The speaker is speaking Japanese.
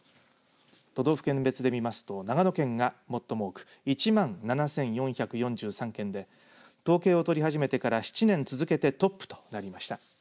都道府県別で見ますと長野県が最も多く１万７４４３件で統計を取り始めてから７年続けてトップとなりました。